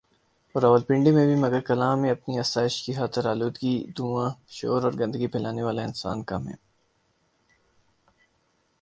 اور راولپنڈی میں بھی مگر کلاں میں اپنی آسائش کی خاطر آلودگی دھواں شور اور گندگی پھیلانے والے انسان کم ہیں